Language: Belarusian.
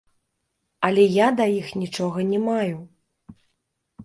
Але я да іх нічога не маю.